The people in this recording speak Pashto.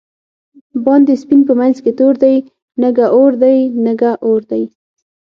باندی سپین په منځ کی تور دۍ، نگه اور دی نگه اور دی